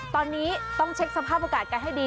ตอนนี้ต้องเช็คสภาพอากาศกันให้ดี